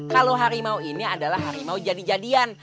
kalau harimau ini adalah harimau jadi jadian